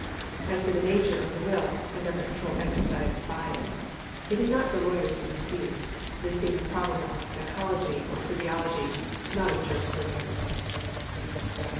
As to the nature of the w ill and of the control exercised by it, it is not for lawyers to dispute, this being a problem of psychology or physiology, not of jurisprudence.